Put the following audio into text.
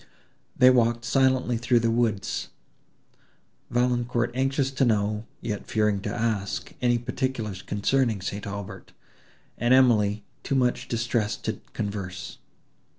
They walked silently through the woods, Valancourt anxious to know, yet fearing to ask any particulars concerning St. Aubert; and Emily too much distressed to converse.